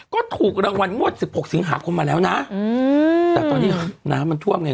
ก็ถูกรางวัลงวดสิบหกสิงหาคมมาแล้วนะแต่ตอนนี้น้ำมันท่วมไง